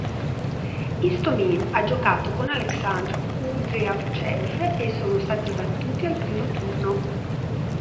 Istomin ha giocato con Aleksandr Kudrjavcev e sono stati battuti al primo turno.